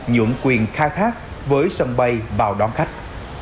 nhuận quyền khai thác với sân bay vào đón khách